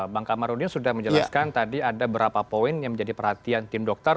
bang kamarudin sudah menjelaskan tadi ada beberapa poin yang menjadi perhatian tim dokter